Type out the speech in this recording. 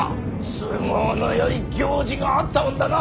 都合のよい行事があったもんだな。